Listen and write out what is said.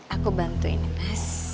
aku bantuin mas